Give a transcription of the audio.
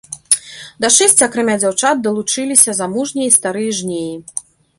Да шэсця, акрамя дзяўчат, далучаліся замужнія і старыя жнеі.